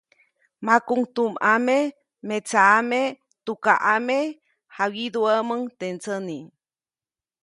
Makuʼuŋ tumʼame, metsʼame, tukaʼame, jawyiduʼämuŋ teʼ ndsäni.